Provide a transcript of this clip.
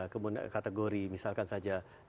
kemudian kategori misalkan saja